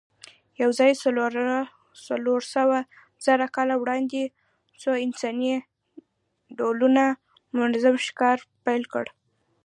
یواځې څلورسوهزره کاله وړاندې څو انساني ډولونو منظم ښکار پیل کړ.